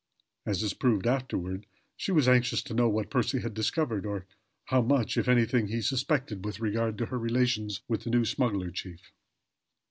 As is proved afterward, she was anxious to know what Percy had discovered or how much, if anything, he suspected with regard to her relations with the new smuggler chief.